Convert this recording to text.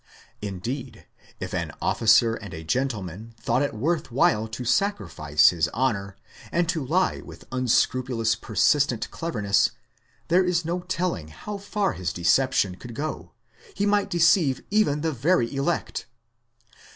Indeed, if an officer and a gentleman thought it worth while to sacrifice his honour, and to lie with unscrupulous per sistent cleverness, there is no telling how far his deception could go : he might deceive even the very elect.